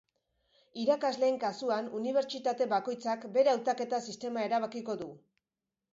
Irakasleen kasuan, unibertsitate bakoitzak bere hautaketa sistema erabakiko du.